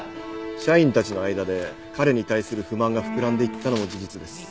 社員たちの間で彼に対する不満が膨らんでいったのも事実です。